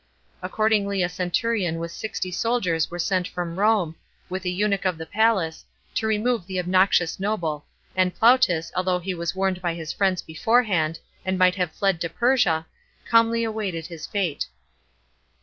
Accordingly a centurion with sixty soldiers were sent from Rome, with a eunuch of the palace, to remove the obnoxious noble, and Plautus, although he was warned 282 THE PK1NCIPATE OF NEKO. CHAP. xvu. by his friends beforehand, and might have fled to Persia, calmly awaited his fate.